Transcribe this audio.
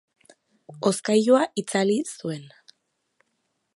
Hozkailua itzali zuen.